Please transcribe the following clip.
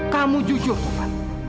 kamu jujur tuhan